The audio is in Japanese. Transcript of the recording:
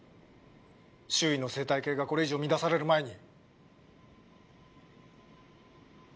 周囲の生態系がこれ以上乱される前に。